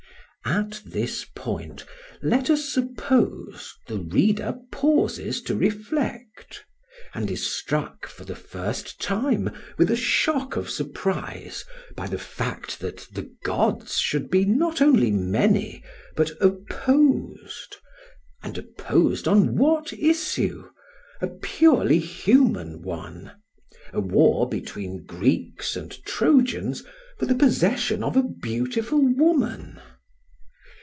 ] At this point, let us suppose, the reader pauses to reflect; and is struck, for the first time, with a shock of surprise by the fact that the gods should be not only many but opposed; and opposed on what issue? a purely human one! a war between Greeks and Trojans for the possession of a beautiful woman!